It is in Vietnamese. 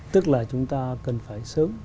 tức là chúng ta cần phải sớm